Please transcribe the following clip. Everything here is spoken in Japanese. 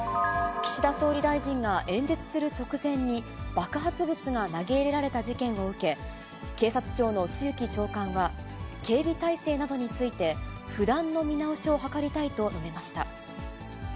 岸田総理大臣が演説する直前に爆発物が投げ入れられた事件を受け、警察庁の露木長官は、警備体制などについて、不断の見直しを図りたいと述べました。